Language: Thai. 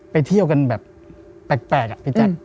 ไปเที่ยวกันแบบแปลกอะพี่แจ๊ค